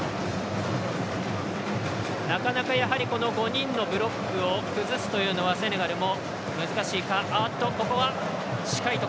なかなか、やはりこの５人のブロックを崩すというのは、セネガルも難しいか。